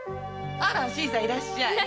新さんいらっしゃい。